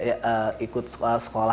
ya ikut seolah olah sekolah itu